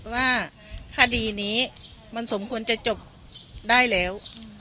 ว่าคดีนี้มันสมควรจะจบได้แล้ว